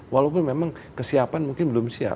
walaupun memang kesiapan mungkin belum siap